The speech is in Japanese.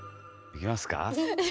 いきますか？